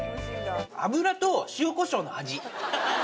油と塩こしょうの味。